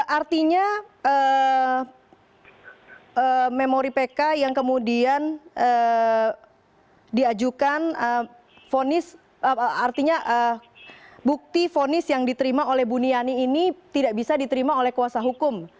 artinya memori pk yang kemudian diajukan fonis artinya bukti ponis yang diterima oleh buniani ini tidak bisa diterima oleh kuasa hukum